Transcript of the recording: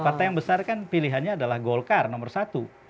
partai yang besar kan pilihannya adalah golkar nomor satu